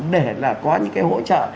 để là có những cái hỗ trợ